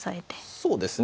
そうですね。